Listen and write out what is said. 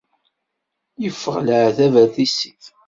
Yeffeɣ leεtab ar tissit.